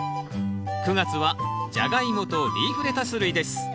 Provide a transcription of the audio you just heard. ９月は「ジャガイモ」と「リーフレタス類」です。